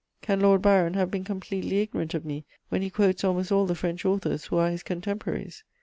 Can Lord Byron have been completely ignorant of me when he quotes almost all the French authors who are his contemporaries?